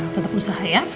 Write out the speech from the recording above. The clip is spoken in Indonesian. tetap usaha ya